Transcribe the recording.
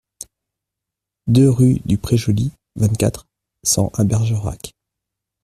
deux rue du Pré Joli, vingt-quatre, cent à Bergerac